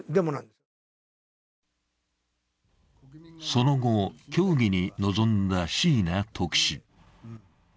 その後、協議に臨んだ椎名特使。